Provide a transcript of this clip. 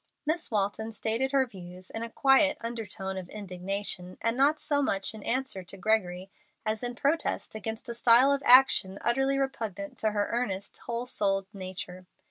Miss Walton stated her views in a quiet undertone of indignation, and not so much in answer to Gregory as in protest against a style of action utterly repugnant to her earnest, whole souled nature.